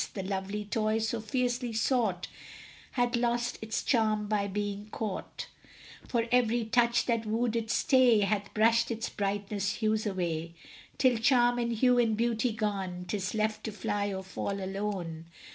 The lovely toy so fiercely sought Hath lost its charm by being caught, For every touch that wooed its stay Hath brushed its brightest hues away, Till, charm and hue and beauty gone, 'Tis left to fly or fall alone.